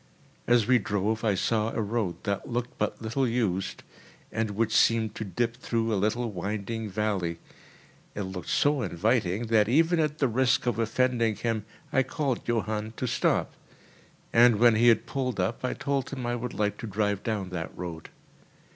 As we drove, I saw a road that looked but little used, and which seemed to dip through a little, winding valley. It looked so inviting that, even at the risk of offending him, I called Johann to stop—and when he had pulled up, I told him I would like to drive down that road.